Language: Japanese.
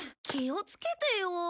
気をつけてよ。